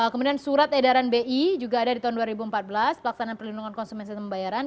kemudian surat edaran bi juga ada di tahun dua ribu empat belas pelaksanaan perlindungan konsumen dan pembayaran